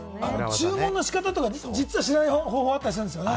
注文の仕方とか、実は知らない方法があったりするんですよね。